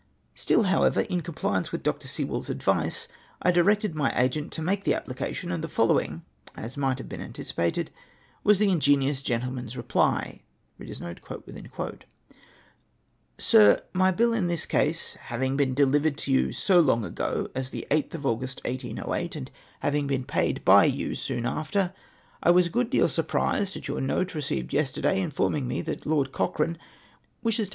Still, however, in compliance with Dr. Sewell's advice, I directed hiy agent to make the application, and the following, as might have been anticipated, was the ingenious gentleman's reply: — 'Sir, My bill in this case having been delivered to you so long ago as the 8th of August 1808, and having been paid by you soon after, I was a good deal surprised at your note, received yesterday, informing me that Lord Cochrane wishes to.